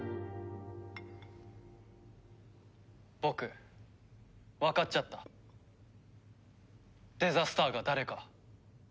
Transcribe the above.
僕わかっちゃったデザスターが誰か。